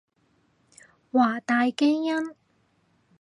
華大基因